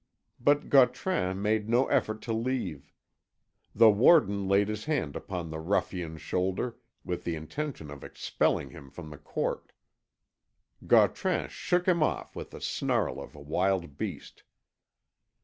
But Gautran made no effort to leave. The warder laid his hand upon the ruffian's shoulder, with the intention of expelling him from the court. Gautran shook him off with the snarl of a wild beast.